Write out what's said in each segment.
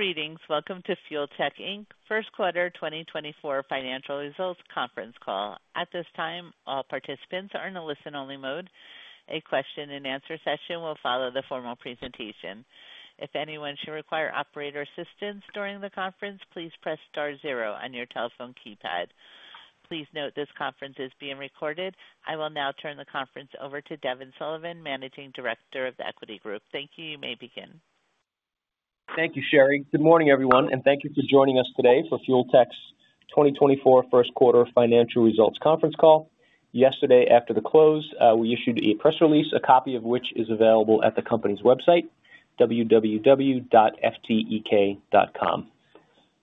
Greetings. Welcome to Fuel Tech, Inc.'s First Quarter 2024 Financial Results Conference Call. At this time, all participants are in a listen-only mode. A question-and-answer session will follow the formal presentation. If anyone should require operator assistance during the conference, please press star zero on your telephone keypad. Please note this conference is being recorded. I will now turn the conference over to Devin Sullivan, Managing Director of The Equity Group. Thank you. You may begin. Thank you, Sherry. Good morning, everyone, and thank you for joining us today for Fuel Tech's 2024 First Quarter Financial Results Conference Call. Yesterday, after the close, we issued a press release, a copy of which is available at the company's website, www.ftek.com.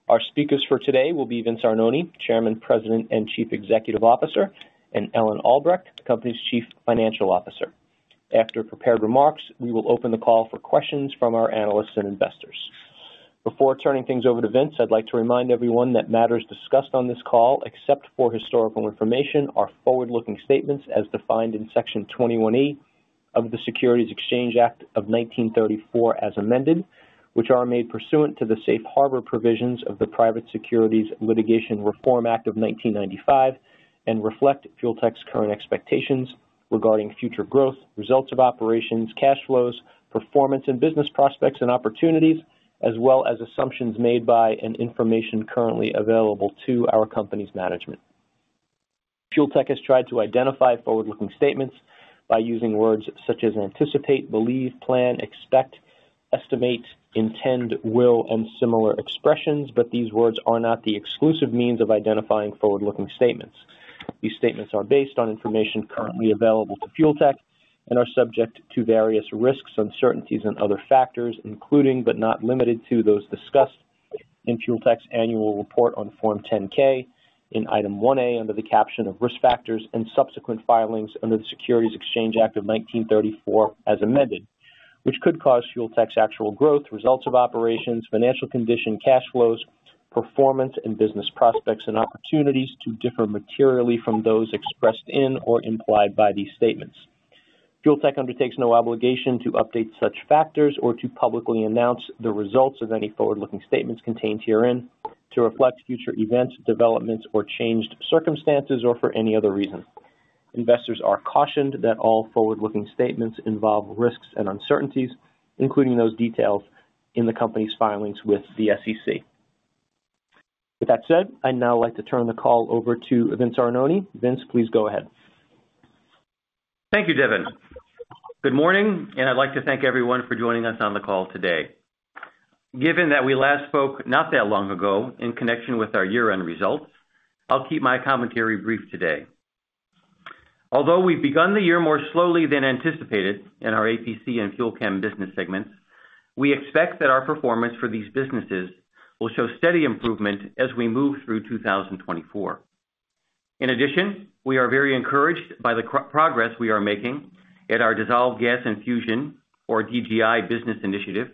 Our speakers for today will be Vincent Arnone, Chairman, President, and Chief Executive Officer, and Ellen Albrecht, the company's Chief Financial Officer. After prepared remarks, we will open the call for questions from our analysts and investors. Before turning things over to Vince, I'd like to remind everyone that matters discussed on this call, except for historical information, are forward-looking statements as defined in Section 21E of the Securities Exchange Act of 1934, as amended, which are made pursuant to the safe harbor provisions of the Private Securities Litigation Reform Act of 1995 and reflect Fuel Tech's current expectations regarding future growth, results of operations, cash flows, performance in business prospects and opportunities, as well as assumptions made by and information currently available to our company's management. Fuel Tech has tried to identify forward-looking statements by using words such as anticipate, believe, plan, expect, estimate, intend, will, and similar expressions, but these words are not the exclusive means of identifying forward-looking statements. These statements are based on information currently available to Fuel Tech and are subject to various risks, uncertainties, and other factors, including, but not limited to, those discussed in Fuel Tech's annual report on Form 10-K in Item 1A under the caption of Risk Factors and Subsequent Filings under the Securities Exchange Act of 1934, as amended, which could cause Fuel Tech's actual growth, results of operations, financial condition, cash flows, performance, and business prospects and opportunities to differ materially from those expressed in or implied by these statements. Fuel Tech undertakes no obligation to update such factors or to publicly announce the results of any forward-looking statements contained herein to reflect future events, developments, or changed circumstances, or for any other reason. Investors are cautioned that all forward-looking statements involve risks and uncertainties, including those detailed in the company's filings with the SEC. With that said, I'd now like to turn the call over to Vince Arnone. Vince, please go ahead. Thank you, Devin. Good morning, and I'd like to thank everyone for joining us on the call today. Given that we last spoke not that long ago in connection with our year-end results, I'll keep my commentary brief today. Although we've begun the year more slowly than anticipated in our APC and FUEL CHEM business segments, we expect that our performance for these businesses will show steady improvement as we move through 2024. In addition, we are very encouraged by the progress we are making at our dissolved gas infusion, or DGI business initiative,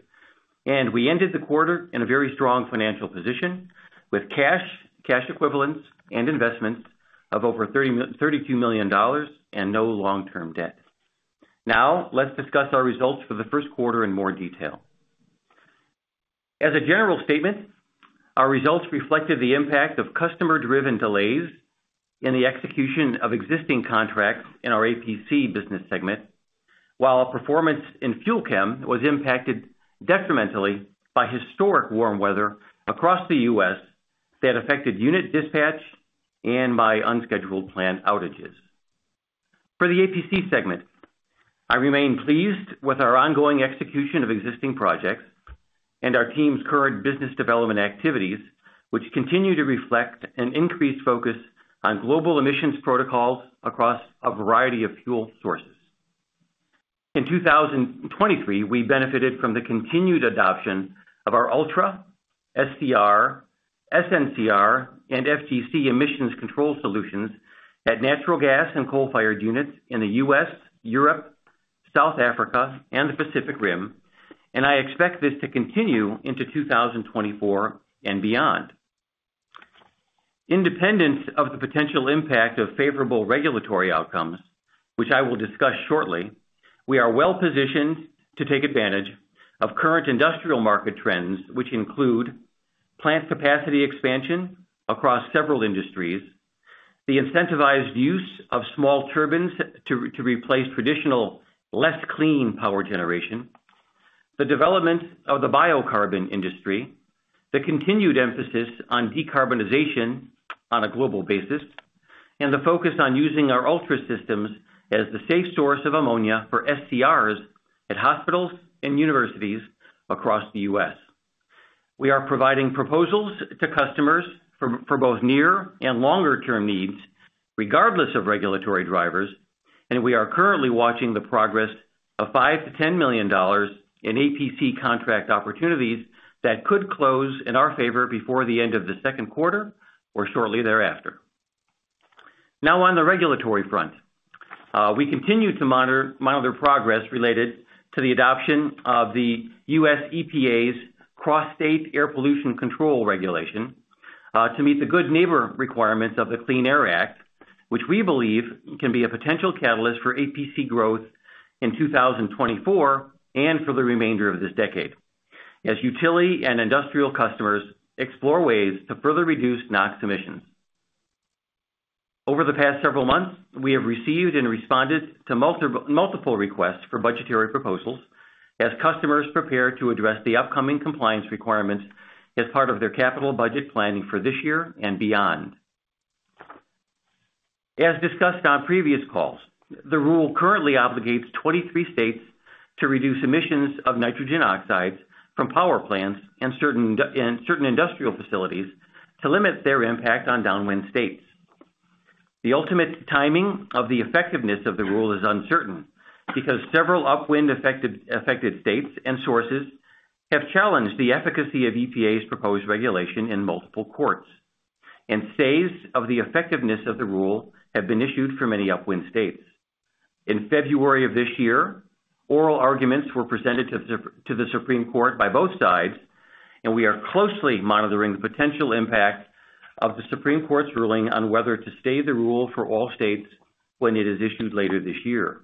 and we ended the quarter in a very strong financial position with cash, cash equivalents, and investments of over $32 million and no long-term debt. Now, let's discuss our results for the Q1 in more detail. As a general statement, our results reflected the impact of customer-driven delays in the execution of existing contracts in our APC business segment, while our performance in FUEL CHEM was impacted detrimentally by historic warm weather across the US that affected unit dispatch and by unscheduled plant outages. For the APC segment, I remain pleased with our ongoing execution of existing projects and our team's current business development activities, which continue to reflect an increased focus on global emissions protocols across a variety of fuel sources. In 2023, we benefited from the continued adoption of our ULTRA, SCR, SNCR, and FGC emissions control solutions at natural gas and coal-fired units in the US, Europe, South Africa, and the Pacific Rim, and I expect this to continue into 2024 and beyond. Independent of the potential impact of favorable regulatory outcomes, which I will discuss shortly, we are well positioned to take advantage of current industrial market trends, which include plant capacity expansion across several industries, the incentivized use of small turbines to replace traditional, less clean power generation, the development of the biocarbon industry, the continued emphasis on decarbonization on a global basis, and the focus on using our ULTRA systems as the safe source of ammonia for SCRs at hospitals and universities across the US We are providing proposals to customers for both near and longer-term needs, regardless of regulatory drivers, and we are currently watching the progress of $5 million to 10 million in APC contract opportunities that could close in our favor before the end of the second quarter or shortly thereafter. Now, on the regulatory front, we continue to monitor progress related to the adoption of the US EPA's Cross-State Air Pollution Control regulation to meet the Good Neighbor requirements of the Clean Air Act, which we believe can be a potential catalyst for APC growth in 2024 and for the remainder of this decade, as utility and industrial customers explore ways to further reduce NOx emissions. Over the past several months, we have received and responded to multiple requests for budgetary proposals as customers prepare to address the upcoming compliance requirements as part of their capital budget planning for this year and beyond. As discussed on previous calls, the rule currently obligates 23 states to reduce emissions of nitrogen oxides from power plants and certain industrial facilities to limit their impact on downwind states. The ultimate timing of the effectiveness of the rule is uncertain, because several upwind affected states and sources have challenged the efficacy of EPA's proposed regulation in multiple courts, and stays of the effectiveness of the rule have been issued for many upwind states. In February of this year, oral arguments were presented to the Supreme Court by both sides, and we are closely monitoring the potential impact of the Supreme Court's ruling on whether to stay the rule for all states when it is issued later this year.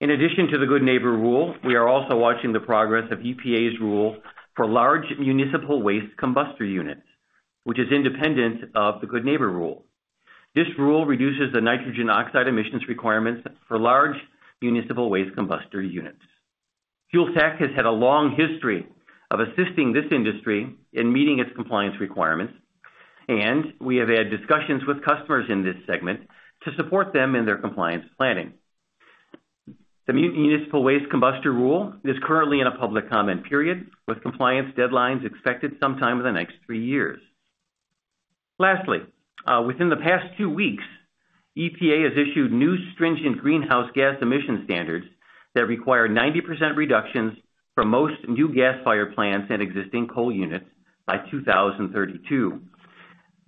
In addition to the Good Neighbor Rule, we are also watching the progress of EPA's rule for large municipal waste combustor units, which is independent of the Good Neighbor Rule. This rule reduces the nitrogen oxide emissions requirements for large municipal waste combustor units. Fuel Tech has had a long history of assisting this industry in meeting its compliance requirements, and we have had discussions with customers in this segment to support them in their compliance planning. The municipal waste combustor rule is currently in a public comment period, with compliance deadlines expected sometime in the next three years. Lastly, within the past two weeks, EPA has issued new stringent greenhouse gas emission standards that require 90% reductions for most new gas-fired plants and existing coal units by 2032.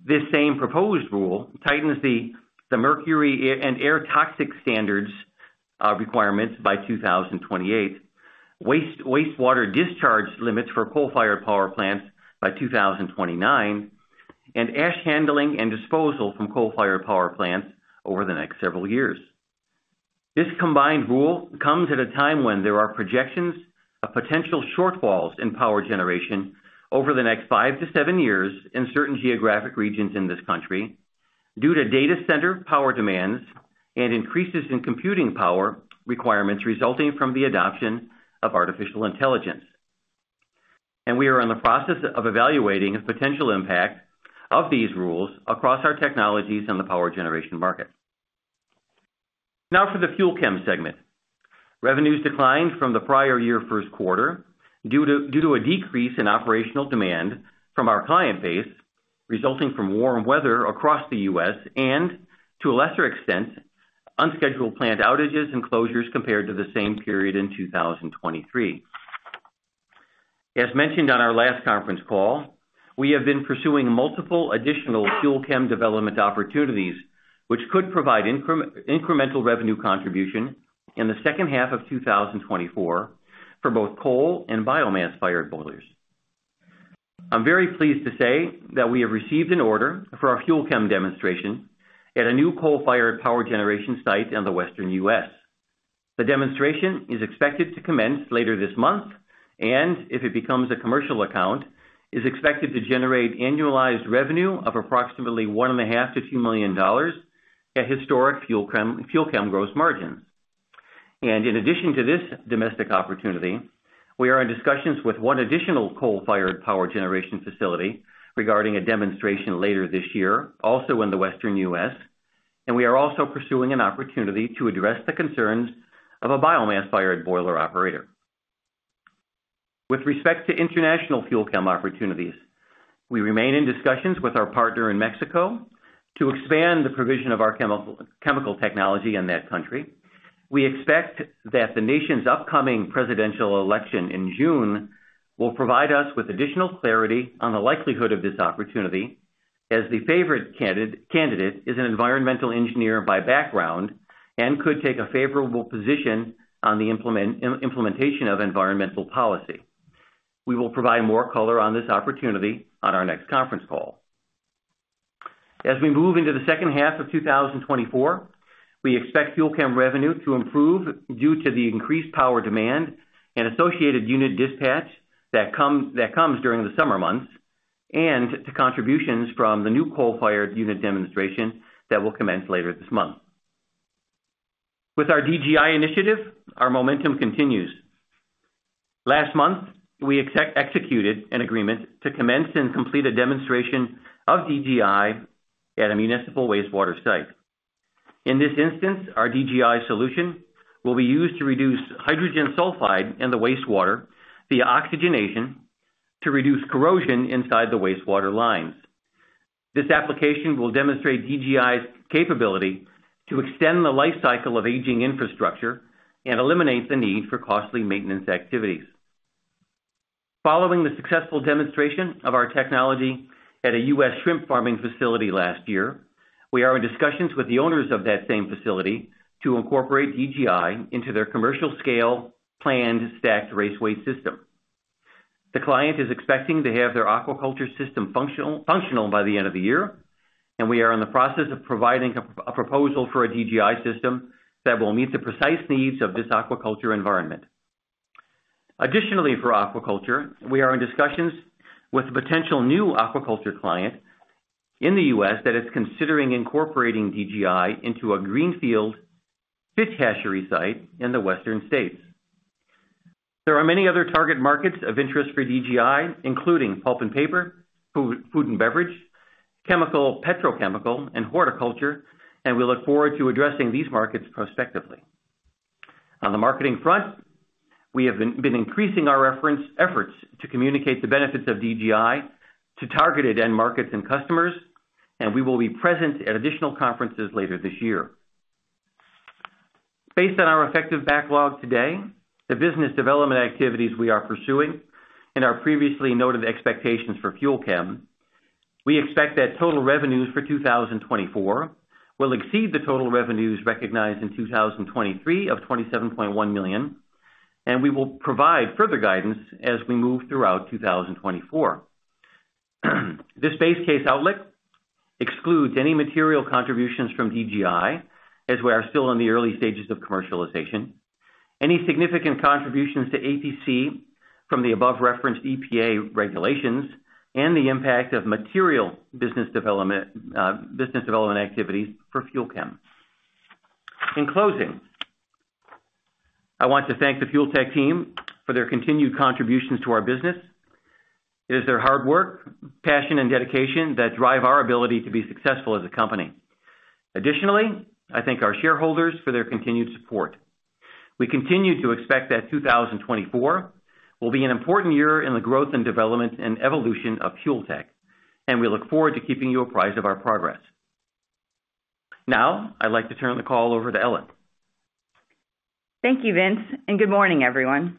This same proposed rule tightens the Mercury and Air Toxics Standards requirements by 2028, wastewater discharge limits for coal-fired power plants by 2029, and ash handling and disposal from coal-fired power plants over the next several years. This combined rule comes at a time when there are projections of potential shortfalls in power generation over the next five to seven years in certain geographic regions in this country, due to data center power demands and increases in computing power requirements resulting from the adoption of artificial intelligence. And we are in the process of evaluating the potential impact of these rules across our technologies in the power generation market. Now for the Fuel Chem segment. Revenues declined from the prior year Q1, due to a decrease in operational demand from our client base, resulting from warm weather across the US and, to a lesser extent, unscheduled plant outages and closures compared to the same period in 2023. As mentioned on our last conference call, we have been pursuing multiple additional Fuel Chem development opportunities, which could provide incremental revenue contribution in the H2 of 2024 for both coal and biomass-fired boilers. I'm very pleased to say that we have received an order for our Fuel Chem demonstration at a new coal-fired power generation site in the Western US The demonstration is expected to commence later this month, and if it becomes a commercial account, is expected to generate annualized revenue of approximately $1.5 million to 2 million at historic Fuel Chem, Fuel Chem gross margins. In addition to this domestic opportunity, we are in discussions with one additional coal-fired power generation facility regarding a demonstration later this year, also in the Western US, and we are also pursuing an opportunity to address the concerns of a biomass-fired boiler operator. With respect to international Fuel Chem opportunities, we remain in discussions with our partner in Mexico to expand the provision of our chemical technology in that country. We expect that the nation's upcoming presidential election in June will provide us with additional clarity on the likelihood of this opportunity, as the favored candidate is an environmental engineer by background and could take a favorable position on the implementation of environmental policy. We will provide more color on this opportunity on our next conference call. As we move into the H2 of 2024, we expect Fuel Chem revenue to improve due to the increased power demand and associated unit dispatch that comes during the summer months, and to contributions from the new coal-fired unit demonstration that will commence later this month. With our DGI initiative, our momentum continues. Last month, we executed an agreement to commence and complete a demonstration of DGI at a municipal wastewater site. In this instance, our DGI solution will be used to reduce hydrogen sulfide in the wastewater via oxygenation to reduce corrosion inside the wastewater lines. This application will demonstrate DGI's capability to extend the life cycle of aging infrastructure and eliminate the need for costly maintenance activities. Following the successful demonstration of our technology at a US shrimp farming facility last year...... We are in discussions with the owners of that same facility to incorporate DGI into their commercial scale planned stacked raceway system. The client is expecting to have their aquaculture system functional by the end of the year, and we are in the process of providing a proposal for a DGI system that will meet the precise needs of this aquaculture environment. Additionally, for aquaculture, we are in discussions with a potential new aquaculture client in the US that is considering incorporating DGI into a greenfield fish hatchery site in the western states. There are many other target markets of interest for DGI, including pulp and paper, food and beverage, chemical, petrochemical, and horticulture, and we look forward to addressing these markets prospectively. On the marketing front, we have been increasing our efforts to communicate the benefits of DGI to targeted end markets and customers, and we will be present at additional conferences later this year. Based on our effective backlog today, the business development activities we are pursuing, and our previously noted expectations for FUEL CHEM, we expect that total revenues for 2024 will exceed the total revenues recognized in 2023 of $27.1 million, and we will provide further guidance as we move throughout 2024. This base case outlook excludes any material contributions from DGI, as we are still in the early stages of commercialization. Any significant contributions to APC from the above-referenced EPA regulations and the impact of material business development activities for FUEL CHEM. In closing, I want to thank the Fuel Tech team for their continued contributions to our business. It is their hard work, passion, and dedication that drive our ability to be successful as a company. Additionally, I thank our shareholders for their continued support. We continue to expect that 2024 will be an important year in the growth and development and evolution of Fuel Tech, and we look forward to keeping you apprised of our progress. Now, I'd like to turn the call over to Ellen. Thank you, Vince, and good morning, everyone.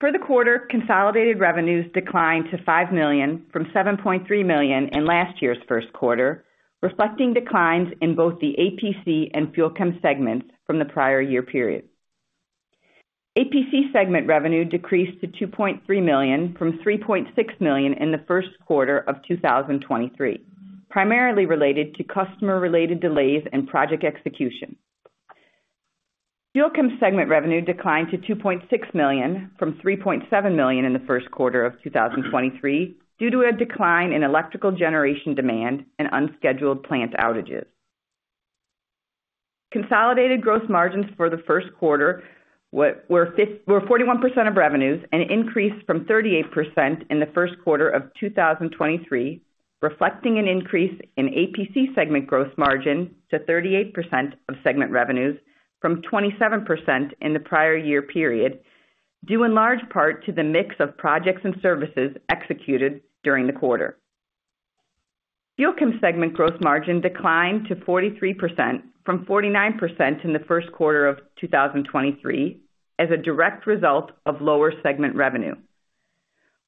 For the quarter, consolidated revenues declined to $5 million from $7.3 million in last year's Q1, reflecting declines in both the APC and FUEL CHEM segments from the prior year period. APC segment revenue decreased to $2.3 million from $3.6 million in the Q1 of 2023, primarily related to customer-related delays and project execution. FUEL CHEM segment revenue declined to $2.6 million from $3.7 million in the Q1 of 2023, due to a decline in electrical generation demand and unscheduled plant outages. Consolidated gross margins for the Q1 were 41% of revenues, an increase from 38% in the Q1 of 2023, reflecting an increase in APC segment gross margin to 38% of segment revenues from 27% in the prior year period, due in large part to the mix of projects and services executed during the quarter. FUEL CHEM segment gross margin declined to 43% from 49% in the Q1 of 2023, as a direct result of lower segment revenue.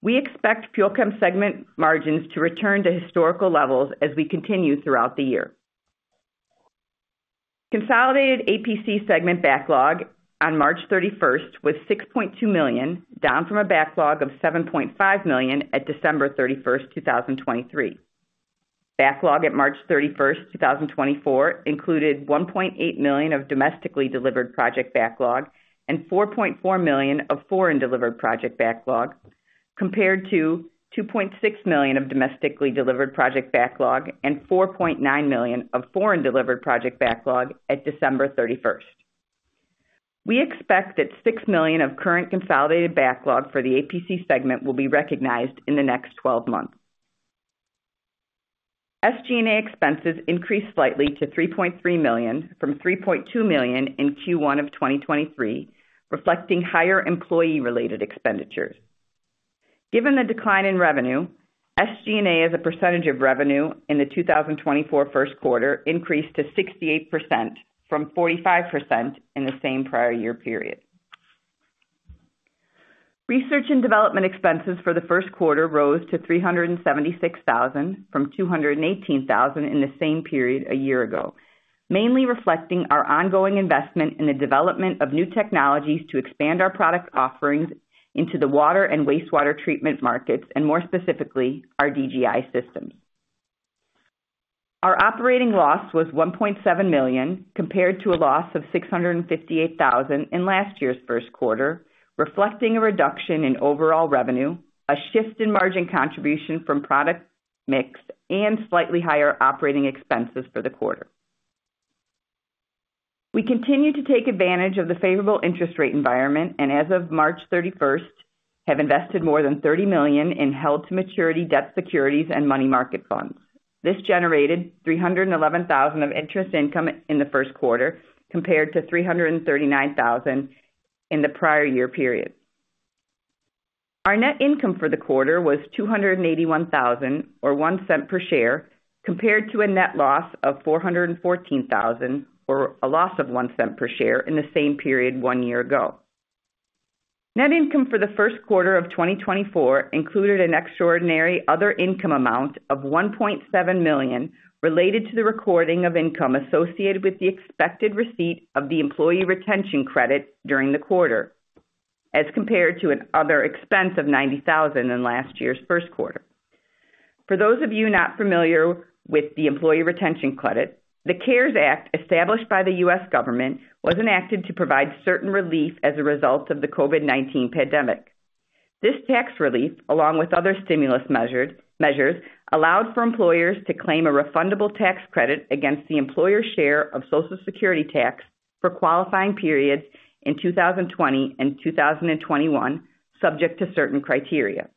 We expect FUEL CHEM segment margins to return to historical levels as we continue throughout the year. Consolidated APC segment backlog on March 31st was $6.2 million, down from a backlog of $7.5 million at 31 December 2023. Backlog at 31 March 2024, included $1.8 million of domestically delivered project backlog and $4.4 million of foreign delivered project backlog, compared to $2.6 million of domestically delivered project backlog and $4.9 million of foreign delivered project backlog at December 31. We expect that $6 million of current consolidated backlog for the APC segment will be recognized in the next twelve months. SG&A expenses increased slightly to $3.3 million from $3.2 million in Q1 of 2023, reflecting higher employee-related expenditures. Given the decline in revenue, SG&A, as a percentage of revenue in the 2024 Q1, increased to 68% from 45% in the same prior year period. Research and development expenses for the Q1 rose to $376,000 from $218,000 in the same period a year ago, mainly reflecting our ongoing investment in the development of new technologies to expand our product offerings into the water and wastewater treatment markets, and more specifically, our DGI systems. Our operating loss was $1.7 million, compared to a loss of $658,000 in last year's Q1, reflecting a reduction in overall revenue, a shift in margin contribution from product mix, and slightly higher operating expenses for the quarter. We continue to take advantage of the favorable interest rate environment, and as of March 31st, have invested more than $30 million in held-to-maturity debt securities and money market funds. This generated $311,000 of interest income in the Q1, compared to $339,000 in the prior year period. Our net income for the quarter was $281,000, or $0.01 per share, compared to a net loss of $414,000, or a loss of $0.01 per share in the same period one year ago. Net income for the Q1 of 2024 included an extraordinary other income amount of $1.7 million, related to the recording of income associated with the expected receipt of the Employee Retention Credit during the quarter, as compared to an other expense of $90,000 in last year's Q1. For those of you not familiar with the employee retention credit, the CARES Act, established by the US government, was enacted to provide certain relief as a result of the COVID-19 pandemic. This tax relief, along with other stimulus measures, allowed for employers to claim a refundable tax credit against the employer's share of Social Security tax for qualifying periods in 2020 and 2021, subject to certain criteria.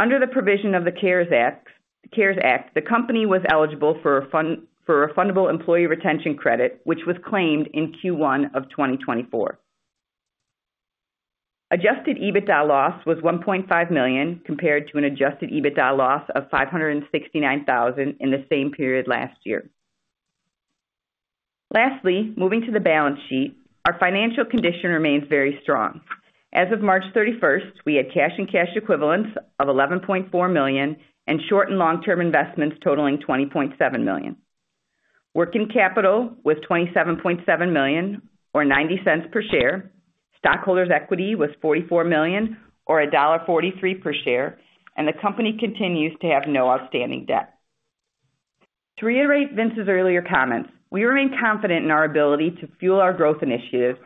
Under the provision of the CARES Act, the company was eligible for a refundable employee retention credit, which was claimed in Q1 of 2024. Adjusted EBITDA loss was $1.5 million, compared to an adjusted EBITDA loss of $569,000 in the same period last year. Lastly, moving to the balance sheet, our financial condition remains very strong. As of March 31, we had cash and cash equivalents of $11.4 million and short- and long-term investments totaling $20.7 million. Working capital was $27.7 million, or $0.90 per share. Stockholders' equity was $44 million, or $1.43 per share, and the company continues to have no outstanding debt. To reiterate Vince's earlier comments, we remain confident in our ability to fuel our growth initiatives,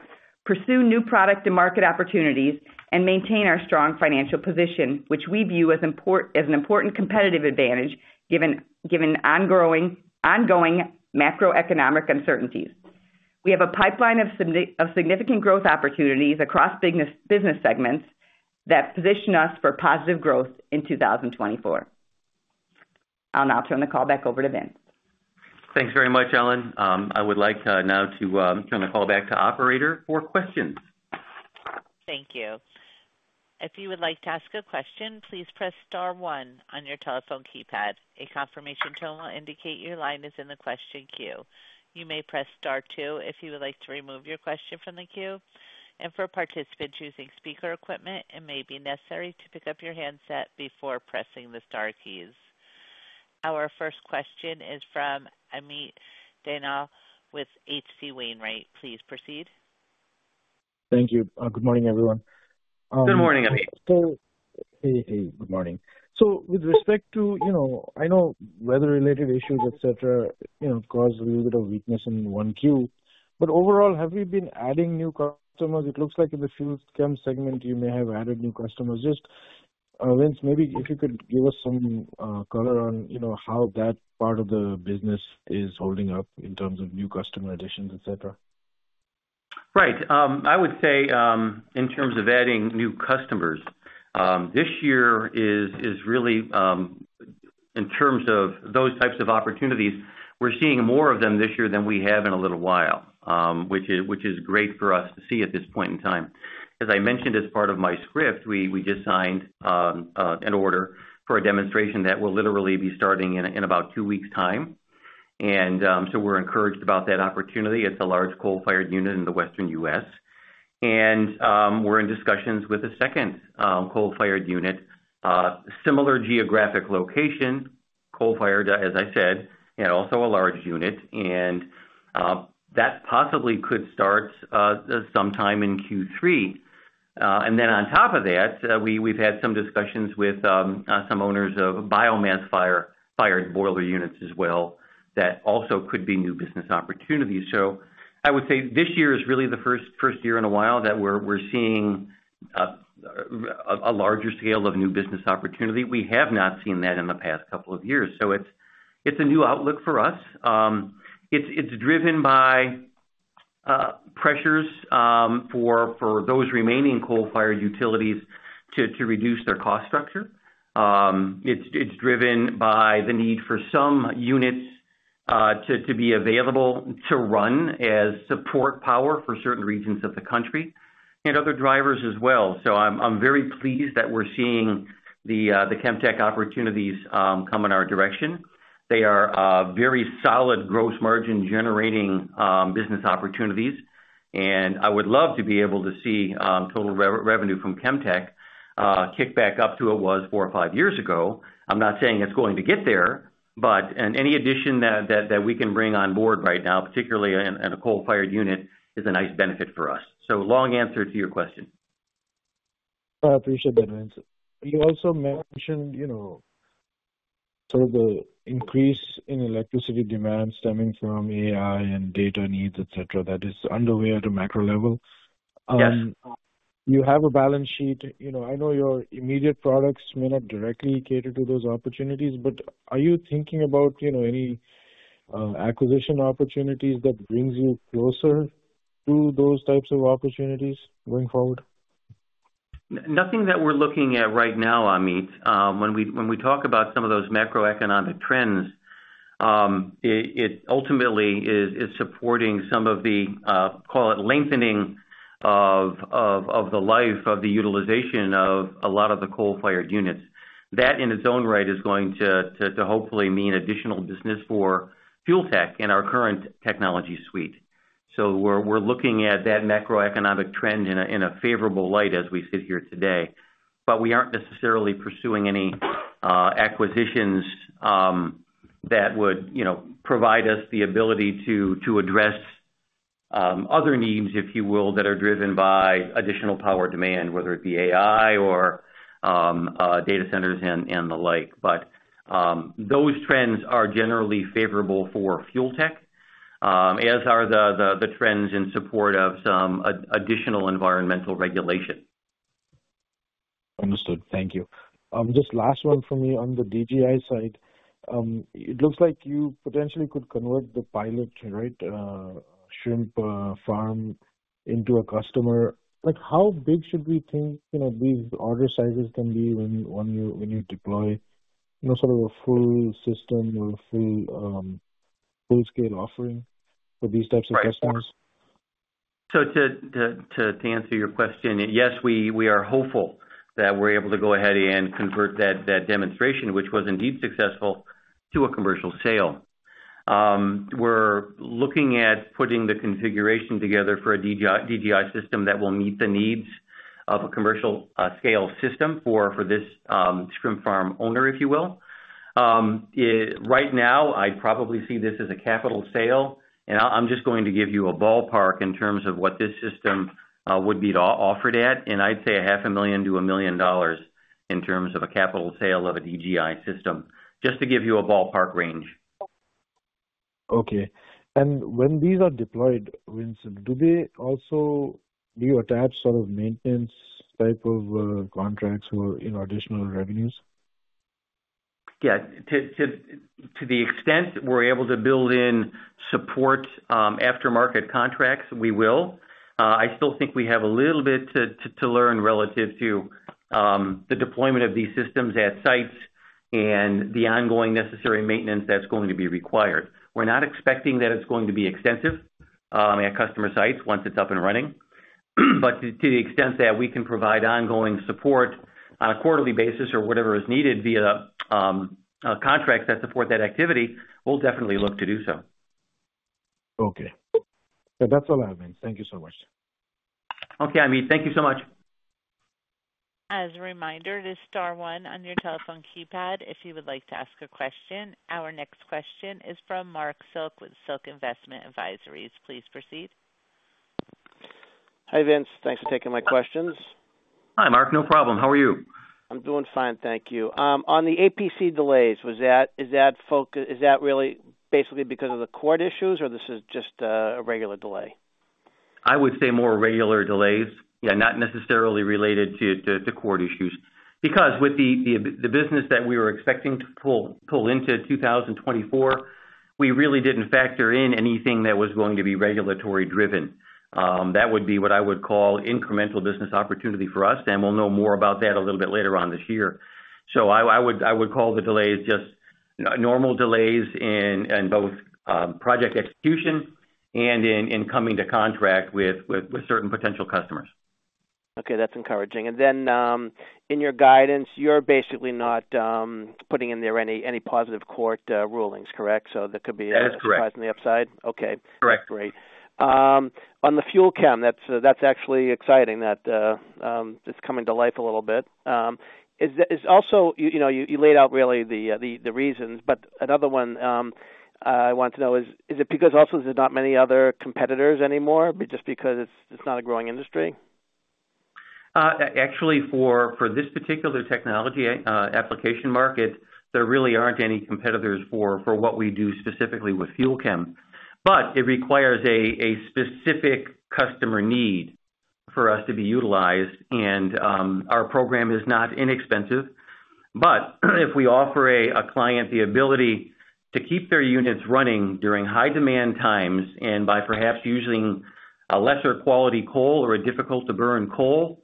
pursue new product and market opportunities, and maintain our strong financial position, which we view as an important competitive advantage, given ongoing macroeconomic uncertainties. We have a pipeline of significant growth opportunities across business segments that position us for positive growth in 2024. I'll now turn the call back over to Vince. Thanks very much, Ellen. I would like now to turn the call back to Operator for questions. Thank you. If you would like to ask a question, please press star one on your telephone keypad. A confirmation tone will indicate your line is in the question queue. You may press star two if you would like to remove your question from the queue. For participants using speaker equipment, it may be necessary to pick up your handset before pressing the star keys. Our first question is from Amit Dayal with H.C. Wainwright. Please proceed. Thank you. Good morning, everyone. Good morning, Amit. Hey, hey, good morning. So with respect to, you know, I know weather-related issues, et cetera, you know, caused a little bit of weakness in 1Q, but overall, have you been adding new customers? It looks like in the FUEL CHEM segment, you may have added new customers. Just, Vince, maybe if you could give us some color on, you know, how that part of the business is holding up in terms of new customer additions, et cetera. Right. I would say, in terms of adding new customers, this year is really, in terms of those types of opportunities, we're seeing more of them this year than we have in a little while, which is great for us to see at this point in time. As I mentioned, as part of my script, we just signed an order for a demonstration that will literally be starting in about two weeks time. So we're encouraged about that opportunity. It's a large coal-fired unit in the Western US. We're in discussions with a second coal-fired unit, similar geographic location, coal-fired, as I said, and also a large unit, and that possibly could start sometime in Q3. And then on top of that, we, we've had some discussions with some owners of biomass-fired boiler units as well, that also could be new business opportunities. So I would say this year is really the first year in a while that we're seeing a larger scale of new business opportunity. We have not seen that in the past couple of years. So it's a new outlook for us. It's driven by pressures for those remaining coal-fired utilities to reduce their cost structure. It's driven by the need for some units to be available to run as support power for certain regions of the country and other drivers as well. So I'm very pleased that we're seeing the Fuel Chem opportunities come in our direction. They are very solid gross margin-generating business opportunities, and I would love to be able to see total revenue from Fuel Chem kick back up to it was four or five years ago. I'm not saying it's going to get there, but and any addition that we can bring on board right now, particularly in a coal-fired unit, is a nice benefit for us. So long answer to your question. I appreciate that, Vince. You also mentioned, you know, sort of the increase in electricity demand stemming from AI and data needs, et cetera, that is underway at a macro level. Yes. You have a balance sheet. You know, I know your immediate products may not directly cater to those opportunities, but are you thinking about, you know, any, acquisition opportunities that brings you closer to those types of opportunities going forward? Nothing that we're looking at right now, Amit. When we talk about some of those macroeconomic trends, it ultimately is supporting some of the, call it, lengthening of the life of the utilization of a lot of the coal-fired units. That in its own right is going to hopefully mean additional business for Fuel Tech in our current technology suite. So we're looking at that macroeconomic trend in a favorable light as we sit here today. But we aren't necessarily pursuing any acquisitions that would, you know, provide us the ability to address other needs, if you will, that are driven by additional power demand, whether it be AI or data centers and the like. Those trends are generally favorable for Fuel Tech, as are the trends in support of some additional environmental regulation. Understood. Thank you. Just last one for me. On the DGI side, it looks like you potentially could convert the pilot, right, shrimp farm into a customer. Like, how big should we think, you know, these order sizes can be when you deploy, you know, sort of a full system or a full-scale offering for these types of customers? To answer your question, yes, we are hopeful that we're able to go ahead and convert that demonstration, which was indeed successful, to a commercial sale. We're looking at putting the configuration together for a DGI system that will meet the needs of a commercial scale system for this shrimp farm owner, if you will. Right now, I probably see this as a capital sale, and I'm just going to give you a ballpark in terms of what this system would be offered at, and I'd say $500,000 to 1 million in terms of a capital sale of a DGI system, just to give you a ballpark range. Okay. And when these are deployed, Vince, do they also... Do you attach sort of maintenance type of, contracts or, you know, additional revenues? Yeah. To the extent we're able to build in support, after-market contracts, we will. I still think we have a little bit to learn relative to the deployment of these systems at sites and the ongoing necessary maintenance that's going to be required. We're not expecting that it's going to be extensive at customer sites once it's up and running. But to the extent that we can provide ongoing support on a quarterly basis or whatever is needed via contracts that support that activity, we'll definitely look to do so. Okay. So that's all I have, Vince. Thank you so much. Okay, Amit, thank you so much. As a reminder, it is star one on your telephone keypad if you would like to ask a question. Our next question is from Marc Silk, with Silk Investment Advisors. Please proceed. Hi, Vince. Thanks for taking my questions. Hi, Mark. No problem. How are you? I'm doing fine, thank you. On the APC delays, is that really basically because of the court issues, or this is just a regular delay? I would say more regular delays. Yeah, not necessarily related to court issues. Because with the business that we were expecting to pull into 2024, we really didn't factor in anything that was going to be regulatory-driven. That would be what I would call incremental business opportunity for us, and we'll know more about that a little bit later on this year. So I would call the delays just normal delays in both project execution and in coming to contract with certain potential customers. Okay. That's encouraging. And then, in your guidance, you're basically not putting in there any positive court rulings, correct? So that could be- That is correct. Surprisingly upside? Okay. Correct. Great. On the FUEL CHEM, that's actually exciting that it's coming to life a little bit. You know, you laid out really the reasons, but another one I want to know is, is it because also there's not many other competitors anymore, but just because it's not a growing industry? Actually, for this particular technology application market, there really aren't any competitors for what we do specifically with FUEL CHEM. But it requires a specific customer need for us to be utilized and our program is not inexpensive. But if we offer a client the ability to keep their units running during high-demand times, and by perhaps using a lesser quality coal or a difficult-to-burn coal,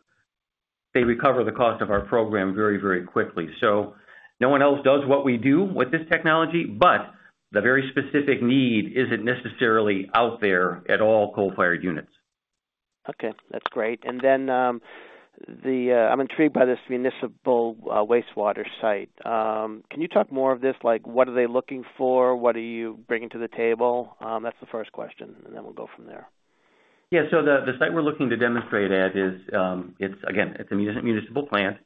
they recover the cost of our program very, very quickly. So no one else does what we do with this technology, but the very specific need isn't necessarily out there at all coal-fired units. Okay, that's great. And then, the... I'm intrigued by this municipal wastewater site. Can you talk more of this? Like, what are they looking for? What are you bringing to the table? That's the first question, and then we'll go from there. Yeah. So the site we're looking to demonstrate at is, it's again, it's a municipal plant.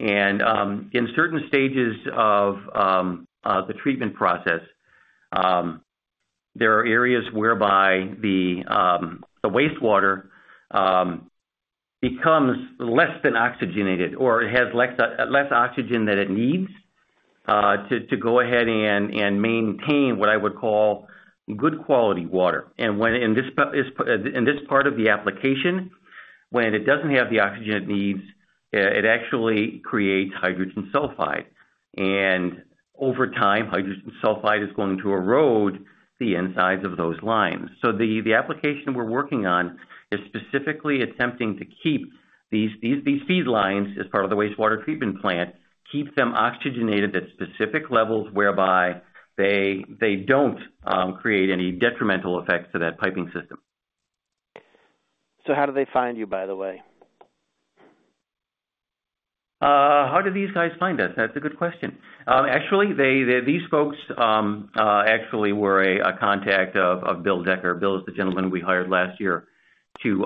And in certain stages of the treatment process, there are areas whereby the wastewater becomes less than oxygenated, or it has less oxygen than it needs to go ahead and maintain what I would call good quality water. And when in this part of the application, when it doesn't have the oxygen it needs, it actually creates hydrogen sulfide, and over time, hydrogen sulfide is going to erode the insides of those lines. So the application we're working on is specifically attempting to keep these feed lines, as part of the wastewater treatment plant, oxygenated at specific levels whereby they don't create any detrimental effects to that piping system.... So how do they find you, by the way? How do these guys find us? That's a good question. Actually, these folks were a contact of Bill Decker. Bill is the gentleman we hired last year to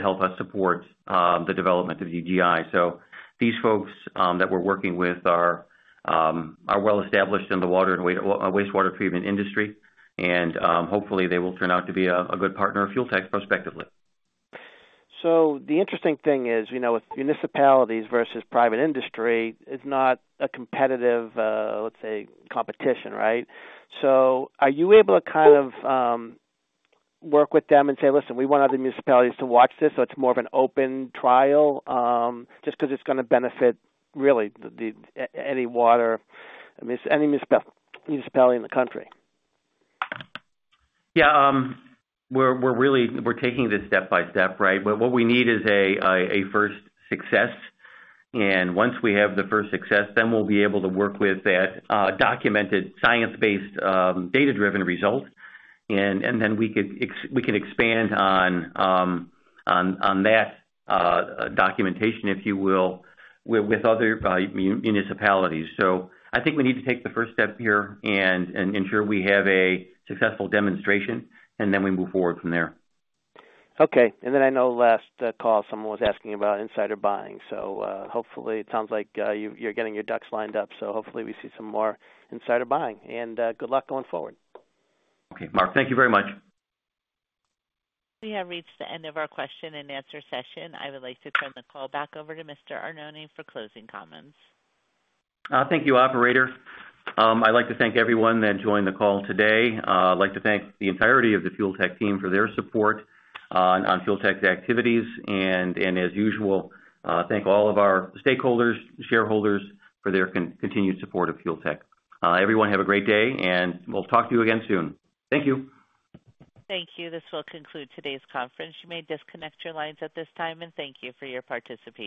help us support the development of DGI. So these folks that we're working with are well-established in the water and wastewater treatment industry, and hopefully, they will turn out to be a good partner of Fuel Tech prospectively. So the interesting thing is, you know, with municipalities versus private industry, it's not a competitive, let's say, competition, right? So are you able to kind of work with them and say, "Listen, we want other municipalities to watch this," so it's more of an open trial, just 'cause it's gonna benefit really any water, I mean, so any municipality in the country? Yeah, we're really taking this step by step, right? But what we need is a first success, and once we have the first success, then we'll be able to work with that documented, science-based, data-driven result. And then we can expand on that documentation, if you will, with other municipalities. So I think we need to take the first step here and ensure we have a successful demonstration, and then we move forward from there. Okay. And then I know last call, someone was asking about insider buying. So, hopefully, it sounds like, you, you're getting your ducks lined up, so hopefully we see some more insider buying. And, good luck going forward. Okay, Mark. Thank you very much. We have reached the end of our question-and-answer session. I would like to turn the call back over to Mr. Arnone for closing comments. Thank you, operator. I'd like to thank everyone that joined the call today. I'd like to thank the entirety of the Fuel Tech team for their support on Fuel Tech's activities, and as usual, thank all of our stakeholders, shareholders for their continued support of Fuel Tech. Everyone, have a great day, and we'll talk to you again soon. Thank you. Thank you. This will conclude today's conference. You may disconnect your lines at this time, and thank you for your participation.